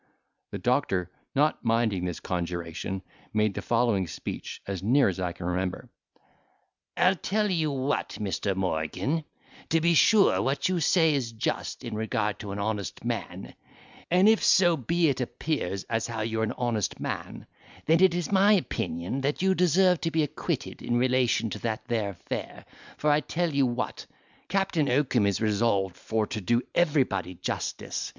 The doctor, not minding this conjuration, made the following speech, as near as I can remember: "I'll tell you what, Mr. Morgan; to be sure what you say is just, in regard to an honest man, and if so be it appears as how you are an honest man, then it is my opinion that you deserve to be acquitted, in relation to that there affair, for I tell you what, Captain Oakum is resolved for to do everybody justice.